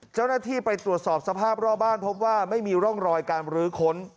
เจ้าหน้าที่ไปตรวจสอบสภาพรอบบ้านพบว่าไม่มีร่องรอยการรื้อค้น